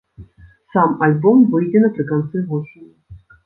Сам альбом выйдзе напрыканцы восені.